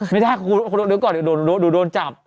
ไม่ได้คุณดูก่อนดูโดนจับ